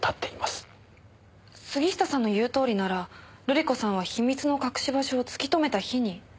杉下さんの言うとおりなら瑠璃子さんは秘密の隠し場所を突き止めた日に。